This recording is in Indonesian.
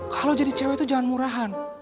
kalau jadi cewek itu jangan murahan